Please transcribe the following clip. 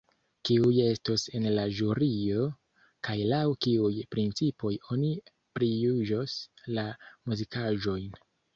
Kiuj estos en la ĵurio, kaj laŭ kiuj principoj oni prijuĝos la muzikaĵojn?